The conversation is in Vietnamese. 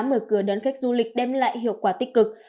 mở cửa đón khách du lịch đem lại hiệu quả tích cực